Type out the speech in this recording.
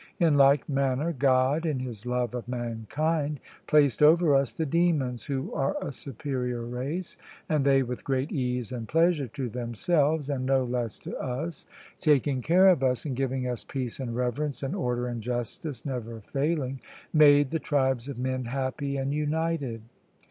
In like manner God, in His love of mankind, placed over us the demons, who are a superior race, and they with great ease and pleasure to themselves, and no less to us, taking care of us and giving us peace and reverence and order and justice never failing, made the tribes of men happy and united.